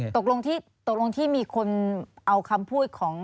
จะตกลงในที่มีคนเอาคำพูดของ